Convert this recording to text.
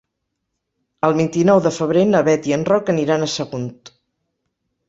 El vint-i-nou de febrer na Bet i en Roc aniran a Sagunt.